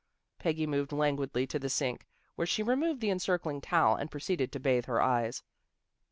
Peggy moved languidly to the sink, where she removed the encircling towel and proceeded to bathe her eyes.